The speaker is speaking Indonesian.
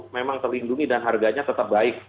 memang terlindungi dan harganya tetap baik